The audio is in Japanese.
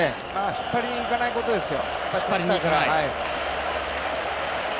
引っ張りにいかないことですよ。